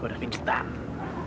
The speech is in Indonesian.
gue udah pinjit dah